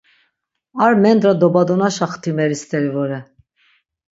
Ar mendra dobadonaşa xtimeri steri vore.